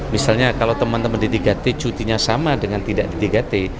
misalnya kalau teman teman di tiga t cutinya sama dengan tidak di tiga t